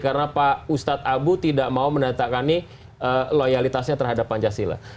karena pak ustadz abu tidak mau menantangkan loyalitasnya terhadap pancasila